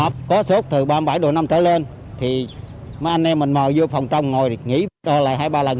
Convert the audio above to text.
ngồi nghỉ cho lại hai ba lần